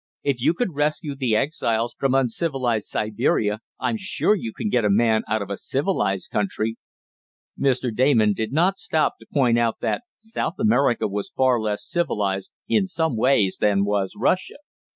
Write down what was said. If you could rescue the exiles from uncivilized Siberia I'm sure you can get a man out of a civilized country." Mr. Damon did not stop to point out that South America was far less civilized, in some ways, than was Russia.